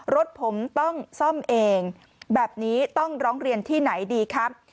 รถผมต้องซ่อมเองแบบนี้ต้องร้องเรียนที่ไหนดีครับ